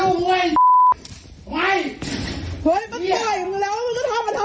มันยอมแล้วมึงก็ป่อยมันได้